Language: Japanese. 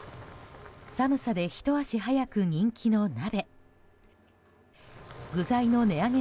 寒さで、ひと足早く人気の鍋。